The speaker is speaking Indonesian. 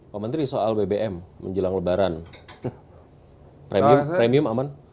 pak menteri soal bbm menjelang lebaran premium aman